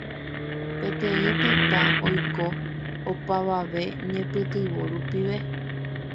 Peteĩ tetã oiko opavave ñepytyvõ rupive.